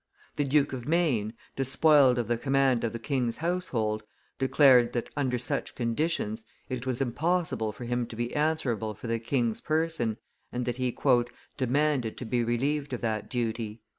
The Duke of Maine, despoiled of the command of the king's household, declared that, under such conditions, it was impossible for him to be answerable for the king's person, and that he "demanded to be relieved of that duty."